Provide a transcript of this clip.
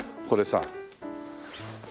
これさ。